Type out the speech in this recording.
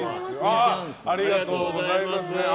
ありがとうございます。